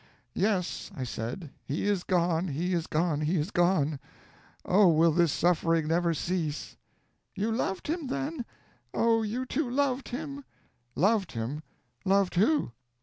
"'Yes!' I said, 'he is gone, he is gone, he is gone oh, will this suffering never cease!' "'You loved him, then! Oh, you too loved him!' "'Loved him! Loved who?'